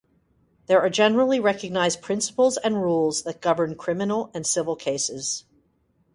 There are generally recognized principles and rules that govern criminal and civil cases.